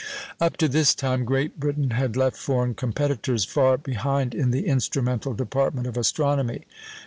Up to this time, Great Britain had left foreign competitors far behind in the instrumental department of astronomy.